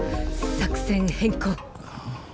作戦変更。